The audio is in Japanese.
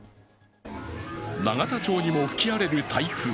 永田町にも吹き荒れる台風。